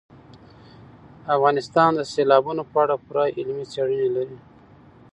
افغانستان د سیلابونو په اړه پوره علمي څېړنې لري.